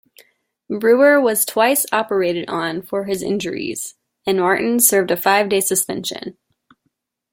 Brewer was twice operated on for his injuries, and Martin served a five-day suspension.